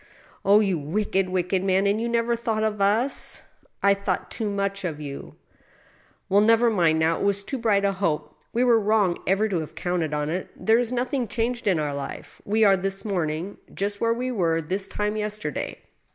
" Oh, you wicked, wicked man !— ^and you never thought of us ?"" I thought too much of you !"" Well, never mind now ; it was too bright a hope. We were wrong ever to have counted on it. There is nothing changed in our life ; we are this morning just where we were this time yester day.